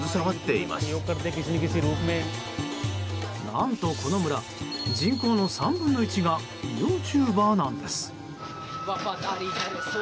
何とこの村、人口の３分の１がユーチューバーなんです。